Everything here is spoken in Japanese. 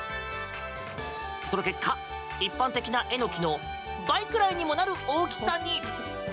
その結果、一般的なエノキの倍くらいにもなる大きさに！